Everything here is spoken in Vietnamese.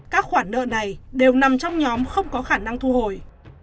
các khoản nợ này đều nằm trong nhóm không có khả năng thu hồi